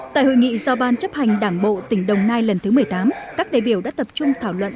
tại hội nghị do ban chấp hành đảng bộ tỉnh đồng nai lần thứ một mươi tám các đại biểu đã tập trung thảo luận